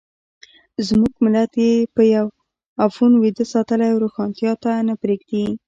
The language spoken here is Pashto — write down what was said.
زموږ ملت یې په افیون ویده ساتلی او روښانتیا ته یې نه پرېږدي.